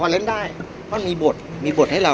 พี่อัดมาสองวันไม่มีใครรู้หรอก